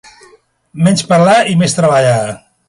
Menys parlar i més treballar.